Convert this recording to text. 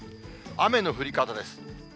雨の降り方です。